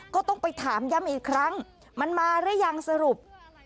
ก็ต้องไปถามย้ำอีกครั้งมันมาหรือยังสรุป